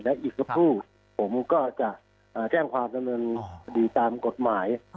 และอีกสักครู่ผมก็จะแจ้งความดำเนินคดีตามกฎหมาย